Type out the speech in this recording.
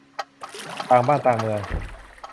ต่างบ้านต่างเมือง